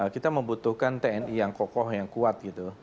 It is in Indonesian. kita membutuhkan tni yang kokoh yang kuat gitu